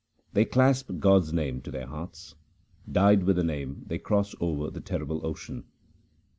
They clasp God's name to their hearts. Dyed with the Name they cross over the terrible ocean.